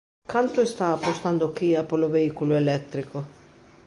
Canto está apostando Kia polo vehículo eléctrico?